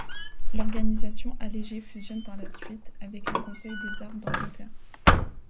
L'organisation allégée fusionne par la suite avec le Conseil des arts d'Angleterre.